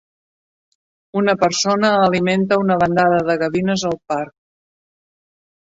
Una persona alimenta una bandada de gavines al parc.